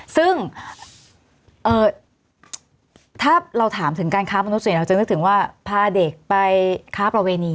ซึ่งถ้าเราถามถึงการค้ามนุษย์เราจะนึกถึงว่าพาเด็กไปค้าประเวณี